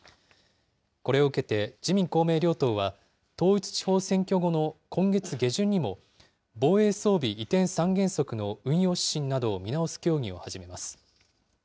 これを受けて、自民、公明両党は、統一地方選挙後の今月下旬にも、防衛装備移転三原則の運用指針などを見直す協議を始めます。